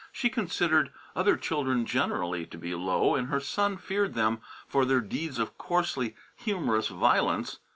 She considered other children generally to be low, and her son feared them for their deeds of coarsely humorous violence.